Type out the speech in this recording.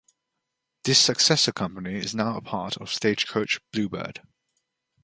This successor company is now a part of Stagecoach Bluebird.